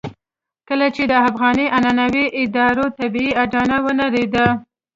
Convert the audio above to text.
کله چې د افغاني عنعنوي ادارې طبيعي اډانه ونړېده.